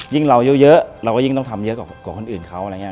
ยิ่งเราย้วเยอะเราก็ยิ่งต้องทำเยอะกว่าคนอื่นเขา